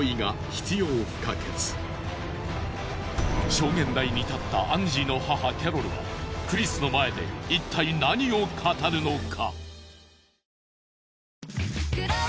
証言台に立ったアンジーの母キャロルはクリスの前でいったい何を語るのか？